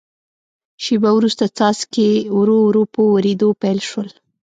شیبه وروسته څاڅکي ورو ورو په ورېدو پیل شول.